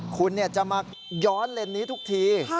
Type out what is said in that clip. คุณจะมาย้อนเลนส์นี้ทุกที